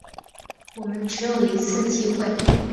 我们只有一次机会